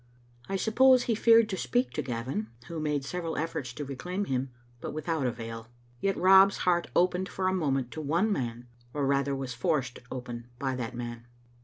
I suppose he feared to speak to Gavin, who made several efforts to reclaim him, but without avail. Yet Rob's heart opened for a moment to one man, or rather was forced open by that man.